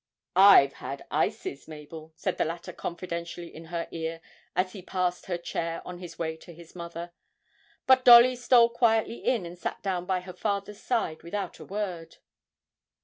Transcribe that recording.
'I've had ices, Mabel,' said the latter confidentially in her ear as he passed her chair on his way to his mother; but Dolly stole quietly in and sat down by her father's side without a word.